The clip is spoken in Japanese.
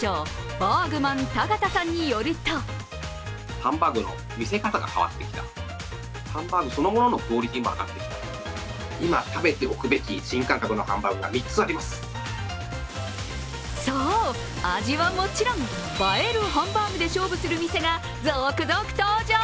バーグマン田形さんによるとそう、味はもちろん、映えるハンバーグで勝負する店が続々登場。